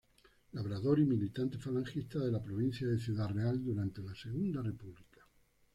Labrador y militante falangista de la provincia de Ciudad Real, durante la Segunda República.